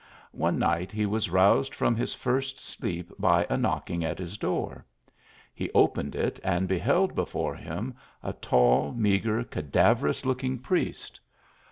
One night he was roused from his first sleep by a knocking at his door. He opened it and beheld before him a tall, meagre, cadaverous looking priest.